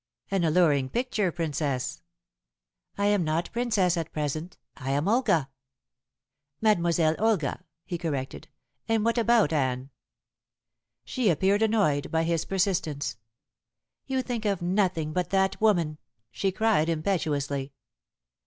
"An alluring picture, Princess." "I am not Princess at present. I am Olga!" "Mademoiselle Olga," he corrected. "And what about Anne?" She appeared annoyed by his persistence. "You think of nothing but that woman," she cried impetuously.